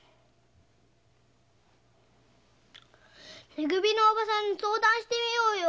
め組のおばさんに相談してみようよ。